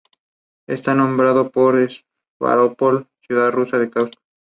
Tal fue la caballería griega hasta los sucesores de Alejandro.